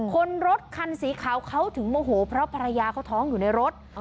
คนรถคันสีขาวเขาถึงโมโหเพราะภรรยาเขาท้องอยู่ในรถ